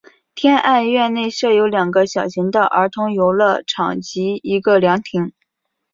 天爱苑内设有两个小型的儿童游乐场及一个凉亭。